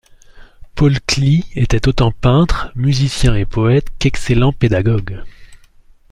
Paul Klee était autant peintre, musicien et poète qu’excellent pédagogue.